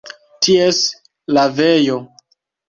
Ties lavejo.